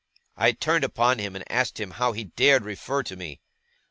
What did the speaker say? I turned upon him, and asked him how he dared refer to me!